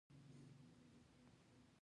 اوازې او ناسم خبرونه په حقیقي بڼه.